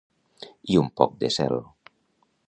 I un poc de cel.